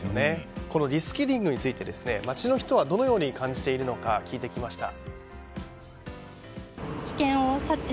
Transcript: リスキリングについて街の人はどのように感じているのか聞いてきました。